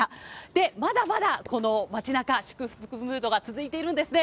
で、まだまだこの街なか、祝福ムードが続いているんですね。